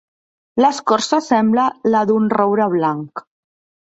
L'escorça sembla la d'un roure blanc.